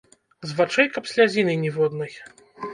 З вачэй каб слязіны ніводнай.